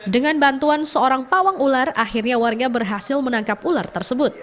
dengan bantuan seorang pawang ular akhirnya warga berhasil menangkap ular tersebut